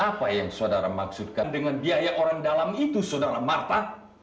apa yang saudara maksudkan dengan biaya orang dalam itu saudara marta